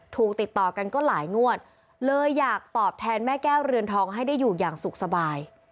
ติดต่อกันก็หลายงวดเลยอยากตอบแทนแม่แก้วเรือนทองให้ได้อยู่อย่างสุขสบาย